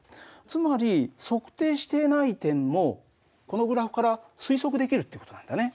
つまり測定してない点もこのグラフから推測できるっていう事なんだね。